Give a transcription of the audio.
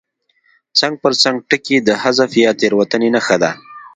څنګ پر څنګ ټکي د حذف یا تېرېدنې نښه ده.